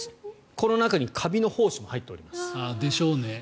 この中にカビの胞子も入っています。でしょうね。